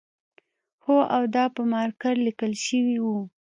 هو او دا په مارکر لیکل شوی و